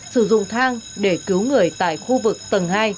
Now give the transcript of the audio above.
sử dụng thang để cứu người tại khu vực tầng hai